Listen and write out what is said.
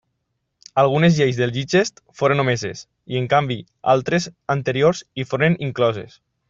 Algunes lleis del Digest foren omeses i en canvi altres anteriors hi foren incloses.